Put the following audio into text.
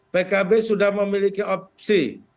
pkb sudah memiliki opsi